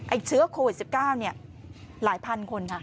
ไอ้เชื้อโควิด๑๙เนี่ยหลายพันคนนะ